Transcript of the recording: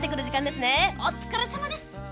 お疲れさまです。